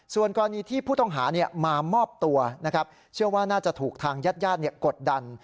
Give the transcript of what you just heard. ส่วนกรณีที่ผู้ต้องหามามอบตัวเชื่อว่าน่าจะถูกทางยาดกดดัน